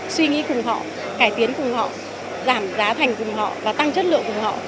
suy nghĩ cùng họ cải tiến cùng họ giảm giá thành cùng họ và tăng chất lượng cùng họ